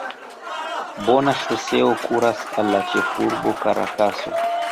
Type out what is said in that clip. Bona ŝoseo kuras al la ĉefurbo Karakaso.